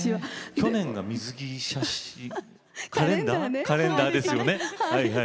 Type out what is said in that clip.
去年が水着カレンダーですよね。